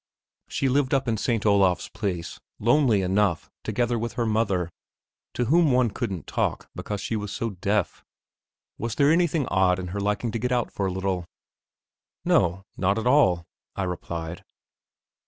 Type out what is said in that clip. She lived up in St. Olav's Place, lonely enough, together with her mother, to whom one couldn't talk because she was so deaf. Was there anything odd in her liking to get out for a little? "No, not at all," I replied.